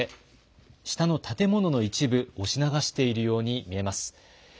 崖の一部が崩れて下の建物の一部、押し流しているように見えます。